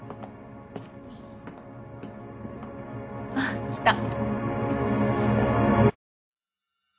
あっ来た。